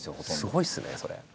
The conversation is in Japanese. すごいですねそれ。